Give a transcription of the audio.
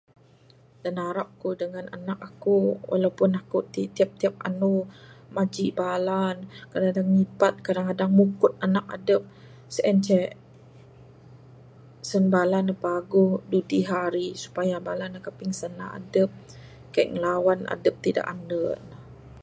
Da narap ku dengan anak aku walaupun aku ti tiap tiap anu maji bala nuh kadang kadang nyipat kadang mukut anak adup, sien ceh sen bala nuh paguh dudi hari supaya bala nuh kaping sanda adup, kaii ngilawan adup ti da ande nuh